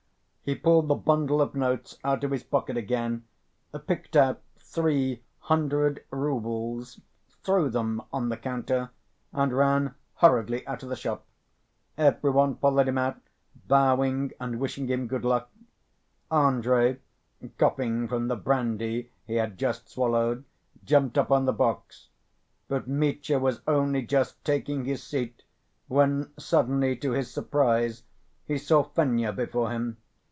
He pulled the bundle of notes out of his pocket again, picked out three hundred roubles, threw them on the counter, and ran hurriedly out of the shop. Every one followed him out, bowing and wishing him good luck. Andrey, coughing from the brandy he had just swallowed, jumped up on the box. But Mitya was only just taking his seat when suddenly to his surprise he saw Fenya before him.